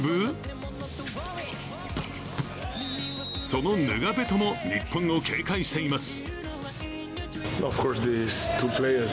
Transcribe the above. そのヌガペトも日本を警戒しています。